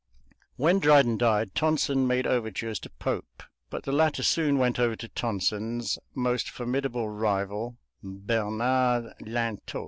When Dryden died Tonson made overtures to Pope, but the latter soon went over to Tonson's most formidable rival, Bernard Lintot.